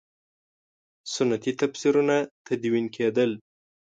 سنتي تفسیرونه تدوین کېدل.